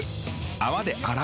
泡で洗う。